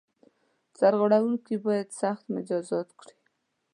سرغړوونکي باید سخت مجازات کړي.